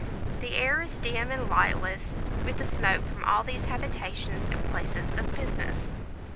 The air is dim and lightless with the smoke from all these habitations and places of business.